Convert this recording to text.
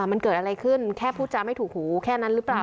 มันเกิดอะไรขึ้นแค่พูดจาไม่ถูกหูแค่นั้นหรือเปล่า